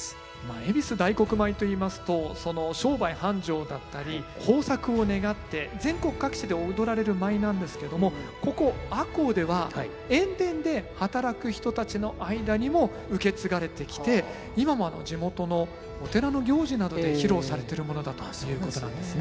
「恵比寿大黒舞」といいますと商売繁盛だったり豊作を願って全国各地で踊られる舞なんですけどもここ赤穂では塩田で働く人たちの間にも受け継がれてきて今も地元のお寺の行事などで披露されてるものだということなんですね。